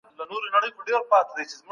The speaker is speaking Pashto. د هدیرې لالي ته وايه